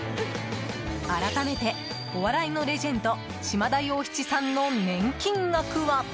改めて、お笑いのレジェンド島田洋七さんの年金額は。